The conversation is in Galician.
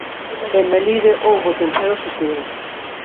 En Melide houbo templarios e xudeus.